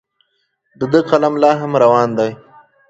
د ده قلم لا هم روان دی.